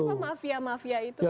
siapa sih pak mafia mafia itu